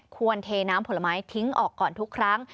เทน้ำผลไม้ทิ้งออกก่อนทุกครั้ง